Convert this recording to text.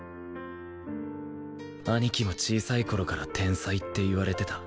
兄貴も小さい頃から天才って言われてた